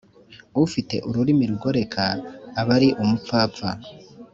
ufite ururimi rugoreka aba ari umupfapfa